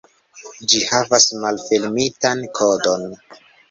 Ĝi havas malfermitan kodon.